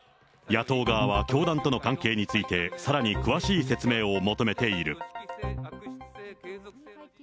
野党側は教団との関係について、さらに詳しい説明を求めている。